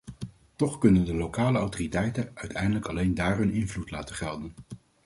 Toch kunnen de lokale autoriteiten uiteindelijk alleen daar hun invloed laten gelden.